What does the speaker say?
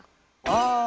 あ！